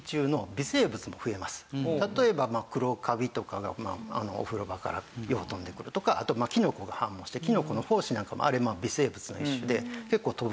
例えば黒カビとかがお風呂場からよう飛んでくるとかあとまあキノコが繁茂してキノコの胞子なんかもあれも微生物の一種で結構飛ぶんですね。